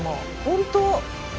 本当。